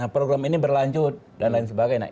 program ini berlanjut dan lain sebagainya